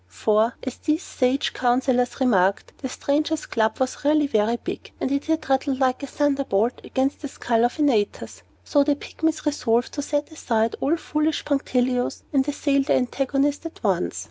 For, as these sage counselors remarked, the stranger's club was really very big, and had rattled like a thunderbolt against the skull of Antaeus. So the Pygmies resolved to set aside all foolish punctilios, and assail their antagonist at once.